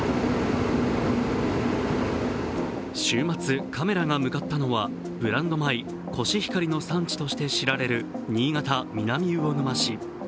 週末、カメラが向かったのはブランド米・コシヒカリの産地として知られる新潟・南魚沼市。